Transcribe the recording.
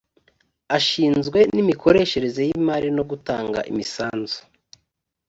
ashinzwe n’imikoreshereze y’imari no gutanga imisanzu